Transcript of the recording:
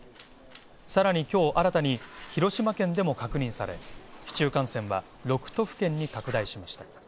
さらに、今日新たに広島県でも確認され市中感染は６都府県に拡大しました。